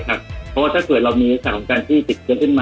เพราะว่าถ้าเราติดตัวขึ้น